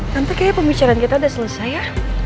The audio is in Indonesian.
tante kayaknya pembicaraan kita sudah selesai ya